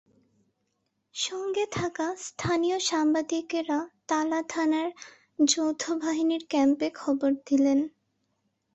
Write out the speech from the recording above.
সঙ্গে থাকা স্থানীয় সাংবাদিকেরা তালা থানার যৌথ বাহিনীর ক্যাম্পে খবর দিলেন।